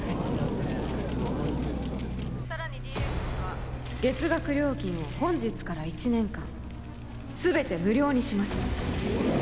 さらにＤ−ＲＥＸは月額料金を本日から１年間全て無料にします